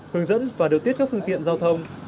hướng dẫn và điều tiết các phương tiện giao thông